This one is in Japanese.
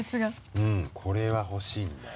うんこれは欲しいんだよ。